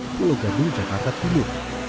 kuluganung jakarta timur